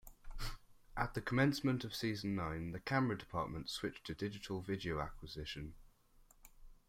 At the commencement of season nine, the camera department switched to digital video acquisition.